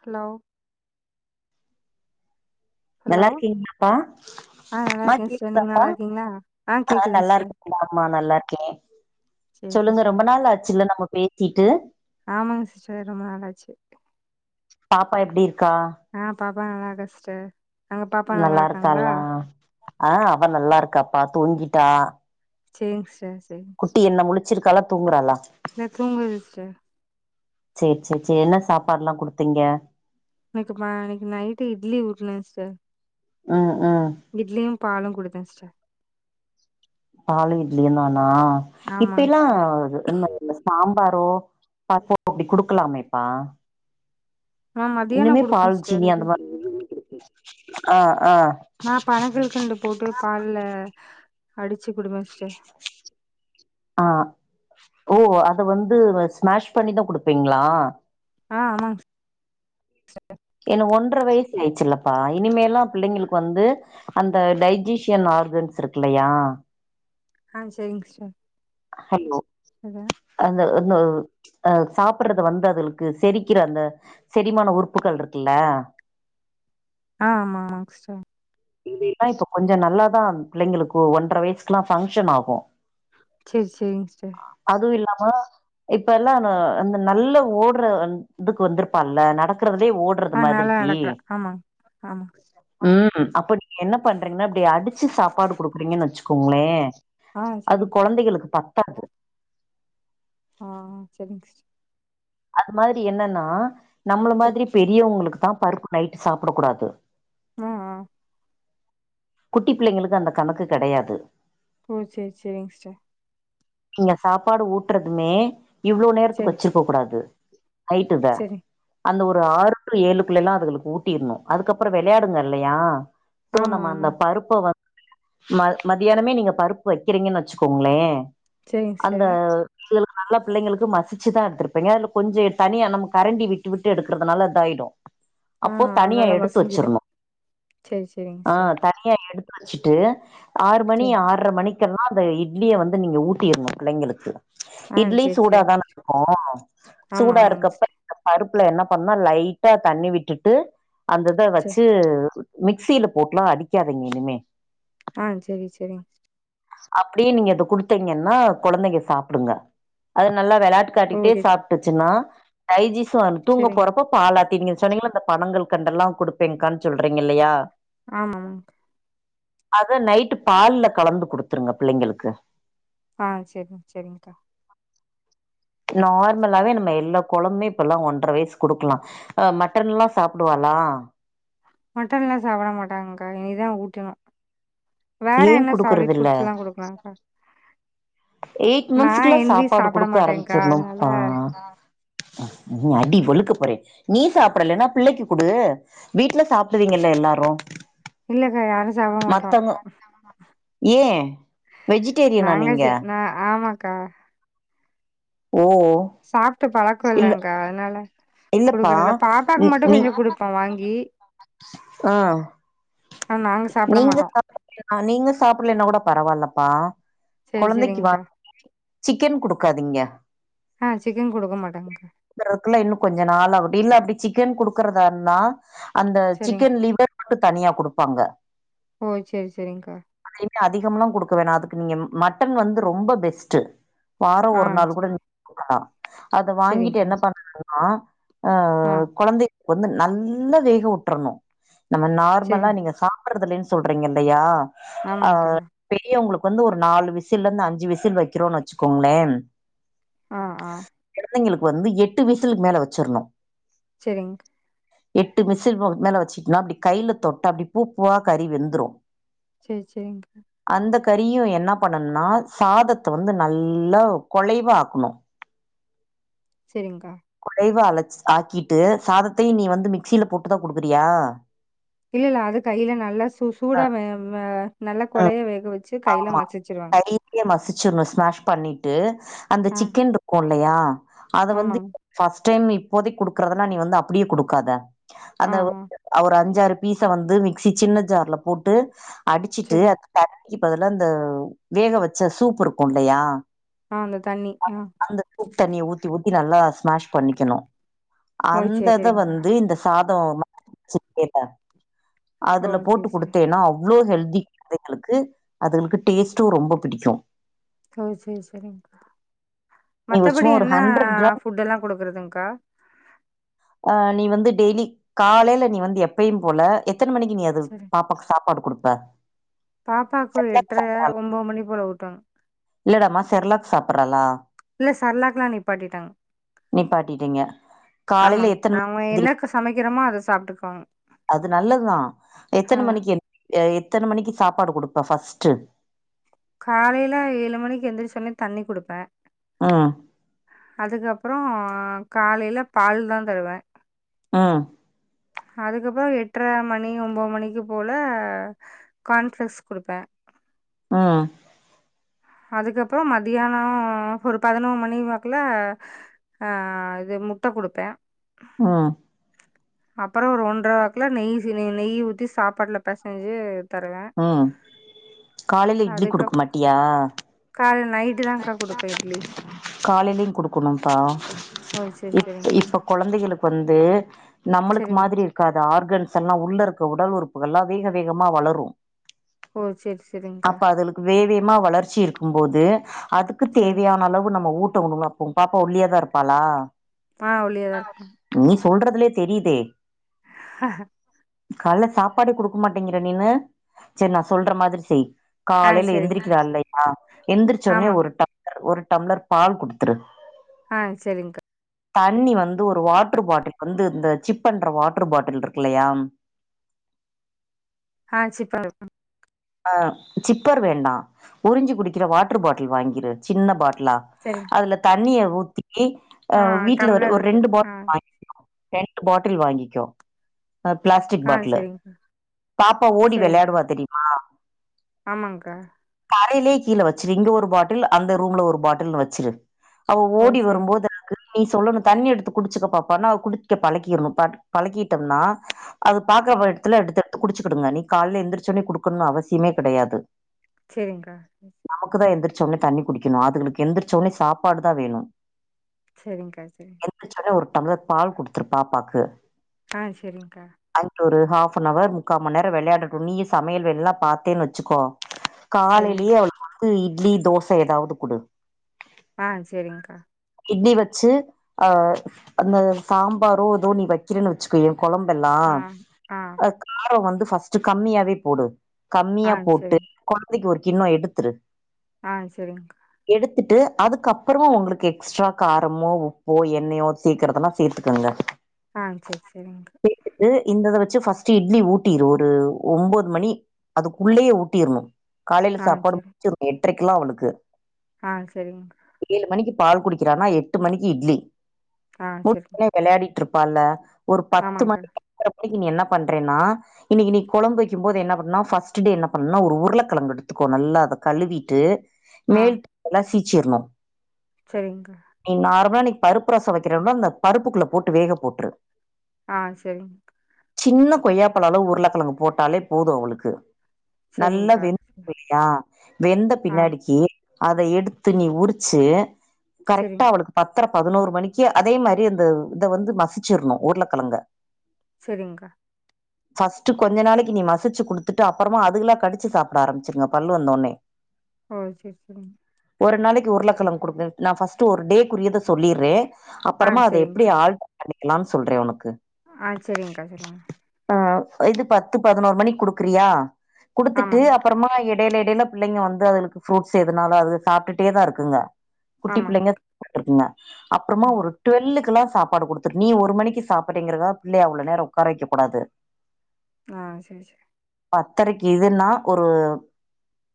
Hello hello நல்லா ஆ நல்லா இருக்கீங்களாப்பா இருக்கே சிஸ்டர் நீங்க கேக்குதாப்பா நல்லா இருக்கீங்களா ஆ கேக்குதுங்க நல்லா சிஸ்டர் இருக்கேன்டாமா நல்லா இருக்கேன் சேரி சொல்லுங்க சிஸ்டர் ரொம்ப நாள் ஆச்சுல்ல நம்ம பேசிட்டு ஆமாங்க சிஸ்டர் ரொம்ப நாளாச்சு பாப்பா எப்டி இருக்கா ஆ பாப்பா நல்லாருக்கா சிஸ்டர் அங்க பாப்பா நல்லா இருக்காங்களா ஆ அவ நல்லா இருக்காப்பா தூங்கிட்டா சேரிங் சிஸ்டர் சேரிங்க குட்டி என்ன முழிச்சிருக்காலா தூங்குறாளா ந தூங்குது சிஸ்டர் சேர் சேர் சே என்ன சாப்பாட்ல்லாம் குடுத்தீங்க இன்னைக்கு ம இன்னைக்கு நைட்டு இட்லி ஊட்டுனேன் சிஸ்டர் ம் ம் இட்லியும் பாலும் குடுத்தேன் சிஸ்டர் பாலும் இட்லியும் தானா இப்ப ஆமாங்க எல்லாம் சிஸ்டர் இந்த சாம்பாரோ [unintelligible] அப்டி குடுக்கலாமேப்பா ஆ மதியானோ இன்னுமே குடுப்பே பால் சிஸ்டர் ஜீனி அது அந்த மாரி குடுக்க அ அ நா பனகல் கண்டு போட்டு பால்ல அடிச்சி குடுப்பேன் சிஸ்டர் ஆ ஓ அத வந்து ஸ்மாஷ் பண்ணிதான் குடுப்பீங்ளா ஆ ஆமாங் சிஸ்டர் ஏனா ஒன்றரை வயசு ஆயிடுச்சுல்லப்பா இனிமேல்லா பிள்ளைங்களுக்கு வந்து அந்த டைஜிசியன் ஆர்கன்ஸ் இருக்குல்லையா ஆ சேரிங் சிஸ்டர் ஹலோ [inaudible] அந்த அந்த அ சாப்பிடுறது வந்து அதுகளுக்கு செரிக்கிற அந்த செரிமான உறுப்புகள் இருக்குல்ல ஆ ஆமா ஆமா சிஸ்டர் இது இல்லா இப்போ கொஞ்சோ நல்லாதா பிள்ளைங்களுக்கு ஒன்றரை வயசுக்கெல்லாம் ஃபங்க்ஷன் ஆகு சேரி சேரிங்க சிஸ்டர் அதுவு இல்லாம இப்ப எல்லா நல்ல ஓடுற இதுக்கு வந்திருப்பால்ல நடக்கறதுலயே ஓடு ஆ நல்லா நடக்றா ஆமாங் ஆமாங் ம் அப்ப நீங்க என்ன பண்றீங்கன்னா இப்டி அடிச்சு சாப்பாடு குடுக்குறீங்கன்னு வச்சுக்கோங்களே ஆ அது செரிங்க சிஸ் கொழந்தைகளுக்கு பத்தாது ஆ சேரிங் சிஸ்டர் அது மாரி என்னன்னா நம்மள செர் மாதிரி பெரியவுங்ளுகுதா பருப்பு நைட் சாப்புட கூடாது அ ஆ குட்டி பிள்ளங்களுக்கு அந்த கணக்கு கெடையாது ஓ சேர் சேரிங் சிஸ்டர் நீங்க சாப்பாடு ஊட்றதுமே இவ்ளோ நேரத்துக்கு செரி வச்சிருக்ககூடாது ஐட்டுத செரி அந்த ஒரு ஆறு டூ ஏழுகுள்ளலா அதுகளுக்கு ஊட்டிர்ணு அதுகப்றோ விளையாடுங்க இல்லயா சோ ஆமா நம்ம அந்த ஆமாங் பருப் பு வந்து மத்தியானமே நீங்க பருப்பு வக்கிறீங்கன் வச்சுகோங்களே செரிங்க அந்த சிஸ்டர் இதுகளுக்கு நல்லா பிள்ளங்களுக்கு மசிச்சுதா எடுத்துருபிங்க அதுல கொஞ்சோ தனியா நம்மகரண்டி விட்டுவிட்டு எடுக்றதுனால இதாயிடு [unintelligible] அப்போ தனியா நல்லா எடுத்து மசிஞ்சிரு வச்சுர்ணு செரி செரிங்க ஆ சிஸ்டர் த தனியா எடுத்து வச்சுட்டு ஆறுமணி செரி ஆர்றமணிகெல்லா அத இ்ட்லிய வந்து நீங்க ஊட் டிர்னு பிள்ளைங்களுக்கு ஆ இட்லி செரி சூட செரி தானார்க்கு ஆமா சூடா ஆமாங்க இருக்கப்ப சிஸ் பருப்புல என்ன பண்ணா லைட்டா தண்ணி விட்டுட்டு அந்தத செரி வச்சு மிக்ஸ்சில போட்லா அடிகாதீங்க இனிமே ஆ செரி செரிங் அப்டி நீங்க அத குடுத்தீங்கனா கொழந்தைங்க சாப்டுங்க அது நல்லா விளாட்டு ஓ காட்டிட்டே செரி சாப்ட்டுச்சுனா டைஜிசன் தூங்க செரிங் போறப்ப பாலாத்தி நீங்க சொன்னீங்கல இந்த பணங்கல்கண்டல்லா குடுபேங்க்கான்னு சொல்றீங்ல்லையா ஆமாம் அது நைட் பால்ல கலந்து குடுத்துருங்க பிள்ளங்களுக்கு ஆ சேரிங் சேரிங்க்கா நார்மலாவே நம்ம எல்லா கொழம்மே இப்பலா ஒன்ற வயசுகுடுக்லா அ மட்டன்லா சாப்டுவாலா மட்டன்லா சாப்ட மாட்டாங்க்கா இனிதா ஊட்டுணு வேற ஏ என்ன குடுக்கறது சாலிட் இல்ல ஃபுட்ஸ்லா குடுக்குலாங்க்கா எய்ட் மன்ஸுக்குலா சாப்பாடு குடுக்க மாட்டேங்க்கா அதனால ஆரம்பிச்சர்ணுப்பா ம் அடி வெளுக்க போறே நீ சாப்படலேன்னா பிள்ளைக்கு குடு வீட்ல சாப்டுவீங்கல்ல எல்லாரு இல்லக்கா யாரு சாப்டமாட்டோ மத்தவங்க ஏ வெஜிடேரியனா நாங்க நீங்க சே நா ஆமாக்கா ஓ சாப்ட்டு பழக்கோ இல்ல இல்லங்க்கா அதுனால இல்லப்பா குடுக்கறதில்ல பாப்பாக்கு மட்டு கொஞ்ச குடுப்பே வாங்கி அ ஆனா நாங்க சாப்ட நீங்க மாட்டோ சாப் அ நீங்க சாப்புட்லேன்னா கூட பரவால்லப்பா செரி கொழந்தைக்கு வா செரிங்க்கா [inaudible] சிக்கன் குடுக்காதீங்க ஆ சிக்கன் குடுக்க மாட்டங்க்கா பட்றதுகுல்லா இன்னு கொஞ்ச நாள் ஆகுடி இல்ல அப்டி சிக்கன் குடுக்கறதார்ந்தா அந்த செரிங் சிக்கன் லிவர் மட்டு தனியா குடுப்பாங்க ஓ செரி செரிங்க்கா அதயுமே அதிகம்லா குடுக்க வேணா அதுக்கு நீங்க ம் மட்டன் வந்து ரொம்ப பெஸ்ட்டு வார ஆ ஒரு நாள் கூட செரி குடுக்கலா அத வாங்கீட்டு செரிங்க்கா என்ன பண்ணனுன்னா அ ஆ கொழந்தைக் கு வந்து நல்லா வேகவுட்ரணு நம்ம நார்மலா செரிங் நீங்க சா ப்பட்றதில்லன் சொல்றீங்கில்லயா அ ஆமாங்க்கா பெரியவ்ங்களுக் வந்து ஒரு நாலு விசில்லர்ந்து அஞ்சு விசில் வெக்கிறோன் வெச்சுக்கோங்ளே ஆ ஆ கொழந்தைங்களுக் வந்து எட்டு விசிலுக் மேல வெச்சர்ணு செரிங் எட்டு விசில் ப மேல வெச்சுக்னா அப்டி கைல தொட்டா அப்டி பூ பூவா கறி வெந்துரு சேர் சேரி்ங்க்கா அந்த கறியு என்னா பண்ணனுனா சாதத்த வந்து நல்லா கொழைவாக்கணு சேரிங்க்கா கொழைவா அலச் ஆக்கிட்டு சாதத்தையு நீ வந்து மிக்சில போட்டுதா குடுக்குறியா இல்ல அது கைல நல்லா சு அ, சூடா வெ வே நல்லா கொழைய வேக வெச்சு கைல மசிச்சுருவங்க்கா நல்லா மசிச்சிர்ணு ஸ்மேஷ் பண்ணீட்டு அந்த ஆ சிக்கன்ருக்கில்லயா அத வந்து ஆமாங் ஃபஸ்ட் டைம் இப்போதைக் குடுக்கறதுன்னா நீ வந்து அப்பிடியே குடுக்காத ஆ அந்த ஆ ஒரு அஞ்சாறு பீச வந்து மிக்சி சின்ன ஜார்ல போட்டு அடிச்சிட்டு செரிங் தண்ணிக்கு பதுலா இந்த வேக வச்ச சூப் இருக்கு இல்லயா ஆ அந்த தண்ணி அ ஆ அந்த சூப் தண்ணிய ஊத் தி ஊத்தி நல்லா ஸ்மேஷ் பண்ணிக்கணு ஓ செரி அந்தத செரிங்க்கா வந்து இந்த சாதோ [inaudible] ஓ அதுல போட்டு செரி செரி குடுத்தேன்னா அவ்ளோ ஹெல்தி கொழந்தைங்களுக்கு அதுகளுக்கு டேஸ்ட்டு ரொம்ப பிடிக்கு ஓ சேரி சேரிங்க்கா நீ ஒரு மத்தபடி சும்மா ஒரு என்ன ஹண்ட்ரட் கிராம் ஃபுட்டெல்லா குடுக்கறதுங்க்கா ஆ நீ வந்து டெய்லி காலைல நீ வந்து எப்பையு போல எத்தன மணிக்கு நீ அது சரி பாப்பாக் சாப்பாடு குடுப்ப பாப்பாக்கு செர்லாக் எட்ர சாப்பட்றாளா ஒம்போத் மணி போல ஊட்டுவங் இல்லடாமா செர்லாக் சாப்பட்றாளா இல்ல செர்லாக்லா நிப்பாட்டிட்டங் நிப்பாட்டிட்டீங்க காலைல ஆமாங் எத்தன மணி நாம எந்திரி என்னத்த சமைக்கிறமோ அத சாப்ட்டுக்வாங் அது நல்லதுதா எத்தன மணிக்கு அ எத்தன மணிக்கு சாப்பாடு குடுப்பே ஃபஸ்ட்டு காலையில ஏழு மணிக்கு எந்திரிச்சொனே தண்ணி குடுப்பே ம் அதுக்கப்பரோ காலையில பால்தா தருவே ம் அதுக்கப்புற எட்டர மணி ஒம்பது மணி போல கான்ஃப்ளெக்ஸ் குடுப்பே ம் அதுக்கப்பரோ மத்தியானோ ஒரு பதினொர் மணி வாக்கல ஆ இது முட்ட குடுப்பே ம் அப்பரோ ஒரு ஒன்ற வாக்குல நெய் செ நெய் நெய் ஊத்தி சாப்பாட்டுல பெசஞ்சு தருவே ம் காலைல இட்லி குடுக்க அதுக்கப் மாட்டியா காலை நைட்டு தான்க்கா குடுப்பே இட்லி காலையிலு குடுக்கணும்ப்பா ஓ சரி இப் சரிங்க்கா இப்ப கொழந்தைகளுக்கு வந்து நம்மளுக்கு சரிங்க மாதிரி இ க்காது ஆர்கன்ஸ் எல்லா உள்ள இருக்க உடல் உறுப்புகள் எல்லாம் வேக வேகமா வளரு ஓ செரி சரிங்க்கா வேவமா வளர்ச்சி இருக்கும் போது அதுக்கு சரிங்க தேவையான அளவு நம்ம ஊட்ட உணவா உங்க பாப்பா ஒல்லியாதா இருப்பாளா ஆ ஒல்லியாக தான் இருப்பேன் நீ சொல்றதுலே தெரியுதே ஆ காலைல சாப்பாடு குடுக்க மாட்டேங்கிற நீனு செரி நா சொல்ற மாதிரி செய் ஆ காலையில சரிங்க்கா எந்திரிக்கிறா இல்லையா எந்திரிச்ச உடனே ஆமாங்க ஒரு டம் ஒரு டம்ளர் பால் குடுத்துரு அ சேரிங்க்கா தண்ணி வந்து ஒரு வாட்டர் பாட்டில் வந்து இந்த சிப் பண்ற வாட்டர் பாட்டில் இருக்குல்லையா அ சிப்பரா அ சிப்பர் வேண்டா உறிஞ்சு குடிக்கிற வாட்டர் பாட்டில் வாங்கிரு சின்ன பாட்லா சேரிங் அதுல தண்ணிய ஊத்தி அ வீட்ல ஒரு டம்ளர் ஒரு இருக்குது ரெண்டு ஆ பாட் வாங் ரெண்டு பாட்டில் வாங்கிக்கோ அ பிளாஸ்டிக் ஆ பாட்டிலு சரிங்க்கா பாப்பா ஓடி சரிங்க்கா வெளையாடுவா தெரியுமா ஆமாங்க்கா தரையிலயே கீழ வச்சிரு இங்க ஒரு பாட்டில் அந்த ரூம்ல ஒரு பாட்டில்னு வச்சுரு அவ ஓ ஓடி சரி வரும்போது எனக்கு நீ சொல்லணு தண்ணி எடுத்து குடிச்சுக்க பாப்பான்னா அவ குடிக்க பழக்கிறணு ப பழக்கிட்டம்னா அது பாக்கற ம் எடத்துல எடுத்தெடுத்து குடிச்சுக்கிடுங்க நீ கால்ல எந்திரச்சசோட்னே குடுக்கணுன்னு அவசியமே கிடையாது சேரிங்க்கா நமக்கு தா எந்திரிச்சசோட்னே தண்ணி குடிக்கணு அதுங்களுக்கு எந்திரச்சசோட்னே சாப்பாடு தா வேணு சேரி்ங்க்கா சரி எந்திரச்சசோட்னே ஒரு டம்ளர் பால் குடுத்துரு பாப்பாக்கு அ சேரிங்க்கா அதுங்க ஒரு ஹாஃப்ன ஹவர் முக்கா மண்நேர வெளையாடட்டு நீயு சமையல் வேலைல்லா பாத்தேன்னு வச்சுக்கோ சரிங்க காலையிலயே அவளுக்கு வந்து இட்லி தோச ஏதாவது குடு அ சேரிங்க்கா இட்லி வச்சு அ அந்த ஒரு சாம்பாரோ ஏதோ நீ வக் கீறன்னு வச்சுக்கோயே கொழம்பெல்லா ஆ ஆ அ காரோவந்து ஃபர்ஸ்ட்டு கம்மியாவே போடு ஆ கம்மியா போட்டு சரி கொழந்தைக்கு ஒரு கிண்ணொ எடுத்துரு அ சரிஙக்கா எடுத்துட்டு அதுக்கப்புறமா அவங்களுக்கு கேக் எக்ஸ்ட்ரா காரமோ உப்போ எண்ணெயோ சேக்கிரதெல்லா சேத்துக்கங்க அ சேர் சேரிங்க்கா சேத்துட்டு இந்ததவச்சு ஃபர்ஸ்ட் இட்லி ஊட்டிரு ஒரு ஒம்போது மணி அதுக்குள்ளேயே ஊட்டிற்ணு காலைல ஆ சாப்பாடு முடிச்சிறணு எட்டரைக்கெல்லா அவளுக்கு அ சரிங்கா ஏழு மணிக்கு பால் குடிக்கிறானா எட்டு மணிக்கு இட்லி ஆ செரி ஊட் வெளையாடிட்ருப்பால்ல ஒரு பத்து ஆமாங்க்கா மணிக் [unintelligible] நீ என்ன பண்றன்னா இன்னைக்கு நீ கொழம்பு வைக்கும்போது என்ன பண்ணா ஃபஸ்ட் டே என்ன பண்ணனா ஒரு உருளைக்கெழங்கு எடுத்துக்கோ நல்லா அத கழுவிட்டு மேட் எல்லா ஃபிச்சிர்ணு சரிங்கா நீ நார்மலா நீ பருப்பு ரச வைக்கிறனா அந்த பருப்புக்குள்ள போட்டு வேக போட்ரு ஆ சரிங் சின்ன கொய்யாப்பழ அளவுக்கு உருளைக்கெழங்கு போட்டாலே போது அவளுக்கு நல்லா செரிங்க்கா வெந்துடு இல்லயா வெந்த ஆ பின்னாடிக்கி அத எடுத்து நீ உரிச்சு கரெக்டா செரிங் அவளுக்கு பத்தர பதினோரு மணிக்கு அதே மாறி இந்த இத வந்து மசிச்சிரணு உருளக்கெழங்க சரிங்கா ஃபர்ஸ்ட் கொஞ்ச நாளைக்கு நீ மசிச்சு குடுத்துட்டு அப்புறமா அதுகல்லா கடிச்சு சாப்ட ஆரம்பிச்சுருங்க பல்லு வந்தோன்னே ஓ சேர் சேரிங் ஒரு நாளைக்கு உருளைக்கெலங்கு குடுக்க நா ஃபர்ஸ்ட்ட ஒரு டே குறியதை சொல்லிட்றே ஆ அப்புறமா அத எப்படி செரிங்க்கா ஆள்ட் பண்ணிக்கலான் சொல்றே உனக்கு ஆ சரிங்கா சரிங் ஆ இது பத்து பதினோரு மணிக்கு குடுக்குறியா குடுத்துட்டு ஆமாங் அப் அப்பறமா எடையில எடையில பிள்ளைங்க வந்து அதுகளுக்கு ஃரூட்ஸ் எதுனால அது சாப்ட்டுட்டே தா இருக்குக குட்டி ஆமாங் பிள்ளைங்க சாப்டு இருக்குங்க அப்றமா ம் ஒரு டுவெலுக்கு எல்லா சாப்பாடு குடுத் நீ ஒரு மணிக்கு சாப்பிறங்கிறா பிள்ளைய அவ்ளோ நேரோ உக்கார வைக்க கூடாது ஆ செரி செரி பத்தரைக்கு இதுன்னா ஒரு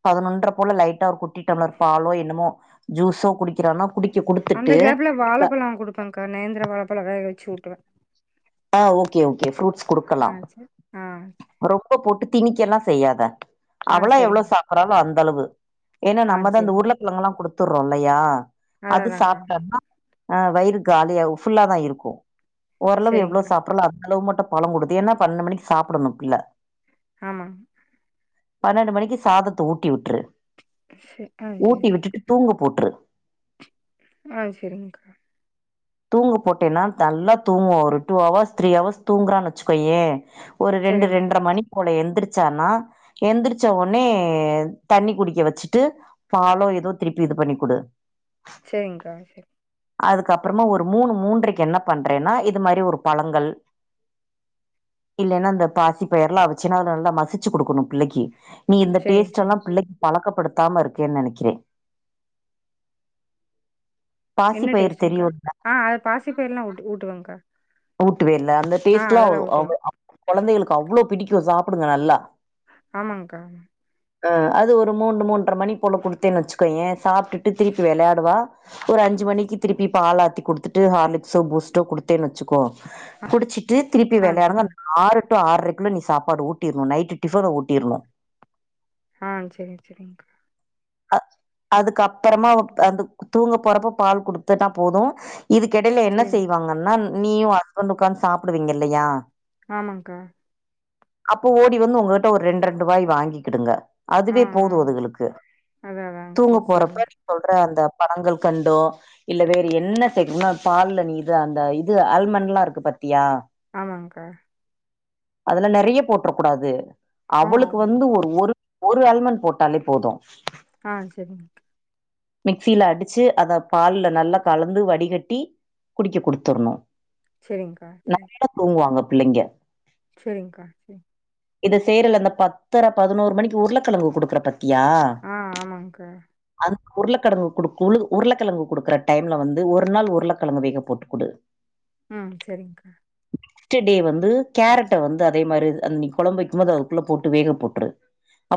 பதினொன்ற போல லைட்டா ஒரு குட்டி டம்லர் பாலோ என்னமோ ஜூஸோ குடிக்கிறானா குடிக் அந்த கேப்ல வாழப்பழ கொடுப்பேகா நேந்திர வாழப்பழ வேக வச்சு ஊட்டுவே ஆ ஓகே ஓகே ப்ஃரூட்ஸ் ஆ செரி ஆ செ ரொம்ப போட்டு திணிக்கல்லா செய்யாத ஆ அவளா எவ்ளோ செரிங் சாப்புறாளோ அந்த அளவு ஏன்னா ஆ நம்ம தா இந்த செரிங் உருளைக்கிழங்கு எல்லா கொடுத்துறோ இல்லையா அதா அது அதாங்க்கா சாப்டன்னா ஆ வயிறு காலியா ஃபுல்லா தா இருக்கு ஓரளவு எவ்ளோ செரிங்க்கா சாப்பிறாலோ அந்த அளவு மட்டு பழ கொடுத்து ஏன்னா பன்னெண்டு மணிக்கு சாப்பிடணு பிள்ள ஆமாங் பன்னெண்டு மணிக்கு சாதத்த ஊட்டி விட்ரு செ ஆ செரி ஊட்டி விட்டுட்டு தூங்கபோற்று ஆ செரிங்கக்கா தூங்க போட்டேன்னா நல்லா தூங்குவா ஒரு டூ அவர்ஸ் த்ரீ அவர்ஸ் தூங்குறானு வச்சுக்கோயே ஒரு ரெண்டு செரிங்க்கா ரெண்டர மணி போல எந்திரிச்சானா எந்திரிச்ச ஒட்னே தண்ணி குடிக்க வச்சுட்டு பாலோ ஏதோ திருப்பி இது பண்ணிக்குடு சேரிங்க்கா செரி அதுக்கப்றமா ஒரு மூணு மூன்றைக்கு என்ன பண்றேன்னா இது மாரி ஒரு பழங்கள் இல்லைன்னா இந்த பாசி பயர்லா அவுச்சேன்னா அது நல்லா மசிச்சு குடுக்கணு பிள்ளைக்கு நீ இந்த செரிங் செரிங் டேஸ்ட்டெல்லா பிள்ளைக்கு பழக்கப்படுத்தாம இருக்கேன்னு நெனைக்கிறே பாசி என்ன பயிர் டேஸ்ட்டுங்க்கா தெரியுல்ல ஆ அது பாசிப்பயிறுலா ஊட்டு ஊட்டுவேங்கா ஊட்டு வேல அந்த டேஸ்ட்லா அவ் ஊட்டுவேன். அவ் கொழந்தைகளுக்கு அவ்ளோ பிடிக்கு சாப்டுங்க நல்லா ஆமாங்க்கா அ அது ஒரு மூன்னு மூன்ற மணி போல குடுத்தேன்னு வச்சுக்கோயே சாப்ட்டுட்டு திருப்பி வெளையாடுவா ஒரு அஞ்சு மணிக்கு திருப்பி பால் ஆத்தி குடுத்துட்டு ஹார்லிக்ஸோ பூஸ்டோ குடுத்தேனு வச்சுக்கோ குடிச்சிட்டு திருப்பி ஆ வெளையாடுங்க சரிங்க. ஆறு டு ஆற்றைக்குள்ள நீ சாப்பாடு ஊட்டிற்ணு நைட்டு டிஃபன்ன ஊட்டிற்ணு ஆ சேரி சேரிங்க்கா அ அதுக்கு அப்பறமா அந்த தூங்க போறப்ப பால் குடுத்தனா போது இதுக்கிடையில என்ன சரிங்க. செய்வாங்கன்னா நீயு ஹஸ்பண்ட்டு உக்காந்து சாப்டுவீங்க இல்லையா ஆமக்கா அப்போ ஓடி வந்து உங்ககிட்ட ஒரு ரெண்டு ரெண்டு வாய் வாங்கி கிடுங்க ஆ ஆ அதா அதா தூங்க போறப்ப நீ சொல்ற அந்த பணங்கற்கண்டோ இல்ல வேற என்ன செக்குனேமோ பால்ல நீ இது அந்த இது ஆல்மண்ட்ல்லா இருக்கு பாத்தியா ஆமாங்க்கா அதுல நெறைய போட்ற கூடாது ஆ, அவளுக்கு வந்து ஒரு ஒரு ஒரு ஆல்மண்ட் போட்டாலே போது ஆ சரிங்கக்கா மிக்சில அடிச்சு அத பால்ல நல்லா கலந்து வடிகட்டி குடிக்க குடுத்துற்ணு சேரிங்க்கா தூங்குவாங்க பிள்ளைங்க சேரிங்க்கா சே இத செய்ரல இந்த பத்ர பதினோரு மணிக்கு உருளக்கெழங்கு குடுக்குற பாத்தியா அ ஆமாங்க்கா அதுக் உருளக்கெழங்கு கொடு உருளக்கெழங்கு கூடுக்குற டைம்ல வந்து ஒரு நாள் உருளக்கெழங்கு வேக போட்டு குடு ம் சேரிங்க்கா நெக்ஷ்டுடே வந்து கேரட்ட வந்து அதே மாரி அந்த நீ கொழம்பு வக்கிபோது அதுக்குள்ள போட்டு வேக போட்ரு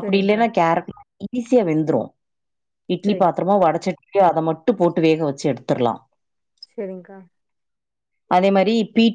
அப்டி இல்லன்னா கேரட் ஈஸியா வெந்துரு‌ இட்லி சரிங்க. பாத்ரமோ வடச்சட் டியோ அத மட்டு போட்டு வேக வச்சு எடுத்தர்லா சைரிங்க்கா அதே மாரி பீ